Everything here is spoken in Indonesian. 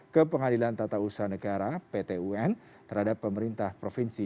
ke pengadilan tata usaha negara pt un terhadap pemerintah provinsi